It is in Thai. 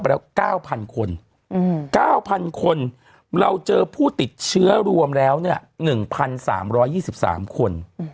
แล้ว๙๐๐คน๙๐๐คนเราเจอผู้ติดเชื้อรวมแล้ว๑๓๒๓คน